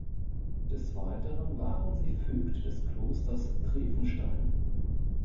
Des Weiteren waren sie Vögte des Klosters Triefenstein.